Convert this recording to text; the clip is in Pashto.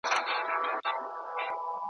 د يوسف عليه السلام ورور نوروته دغه مشوره ورکوي.